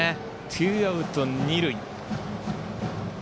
ツーアウト二塁。